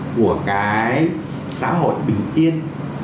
của cái xã hội bình yên